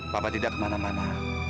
papa tidak kemana mana